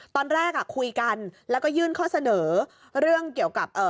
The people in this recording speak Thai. ตอนแรกคุยกันแล้วก็ยื่นเขาเสนอเรื่องเกี่ยวกับ